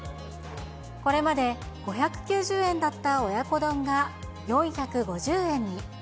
これまで５９０円だった親子丼が４５０円に。